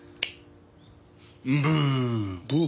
ブー！